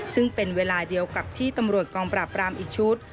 ซึ่งเป็นเวลาเดียวกับที่ตำรวจกองปราบรามอีกชุด